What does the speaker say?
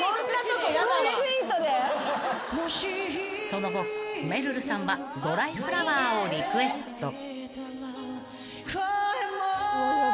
［その後めるるさんは『ドライフラワー』をリクエスト］